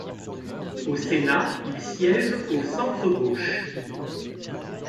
Au Sénat, il siège au centre-gauche.